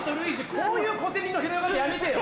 こういう小銭の拾い方やめてよ。